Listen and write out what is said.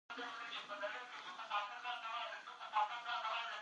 علامه حبیبي د خپل ژوند ډېره برخه لیکلو ته وقف کړی ده.